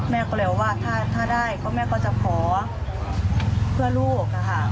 แม่ก็เลยบอกว่าถ้าได้ก็แม่ก็จะขอเพื่อลูก